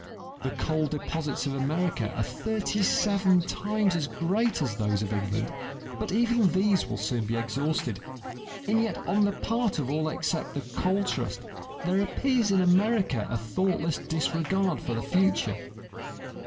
The coal deposits of America are thirty seven times as great as those of England, but even these will soon be exhausted. And yet on the part of all except the coal trust, there appears in America a thoughtless disregard for the future.